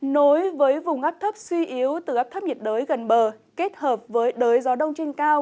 nối với vùng áp thấp suy yếu từ áp thấp nhiệt đới gần bờ kết hợp với đới gió đông trên cao